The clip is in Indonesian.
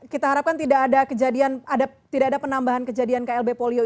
kita harapkan tidak ada kejadian tidak ada penambahan kejadian klb polio